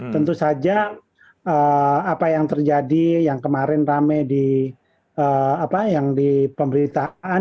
tentu saja apa yang terjadi yang kemarin rame di pemberitaan